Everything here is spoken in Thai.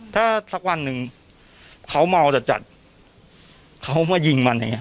ถ้าสักวันหนึ่งเขาเมาจัดจัดเขามายิงมันอย่างนี้